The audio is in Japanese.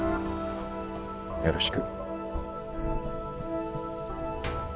よろしく。